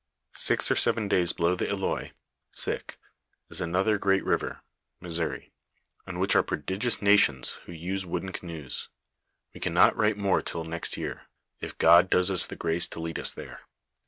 " Six or seven days below the Hois is another great river (Missouri), on which are prodigious nations, who use wooden canoes ; we can not write more till next year, if God does us the grace to lead us there.